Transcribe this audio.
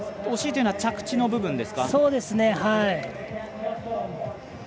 惜しいというのは着地の部分ですか。